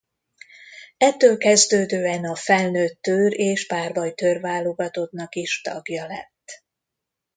Ettől kezdődően a felnőtt tőr- és párbajtőr-válogatottnak is tagja lett.